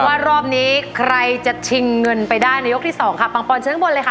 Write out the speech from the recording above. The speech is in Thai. ว่ารอบนี้ใครจะชิงเงินไปได้ในยกที่สองค่ะปังปอนเชิญข้างบนเลยค่ะ